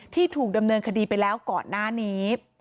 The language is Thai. ถูกดำเนินคดีไปแล้วก่อนหน้านี้